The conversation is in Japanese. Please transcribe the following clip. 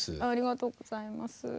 ありがとうございます。